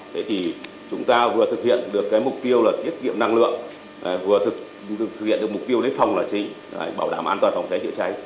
thế thì chúng ta vừa thực hiện được cái mục tiêu là tiết kiệm năng lượng vừa thực hiện được mục tiêu lấy phòng là chị bảo đảm an toàn phòng cháy chữa cháy